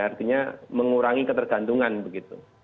artinya mengurangi ketergantungan begitu